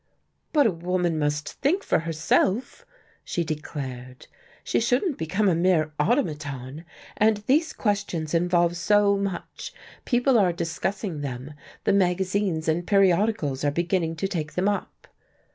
"But a woman must think for herself," she declared. "She shouldn't become a mere automaton, and these questions involve so much! People are discussing them, the magazines and periodicals are beginning to take them up."